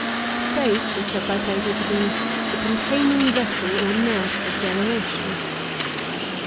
Space is said by Plato to be the 'containing vessel or nurse of generation.